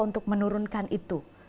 untuk menurunkan itu